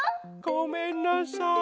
ごめんなさい